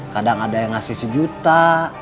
kadang ada yang ngasih sejuta